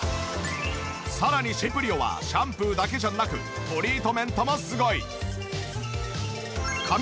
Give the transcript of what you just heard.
さらにシンプリオはシャンプーだけじゃなくトリートメントもすごい！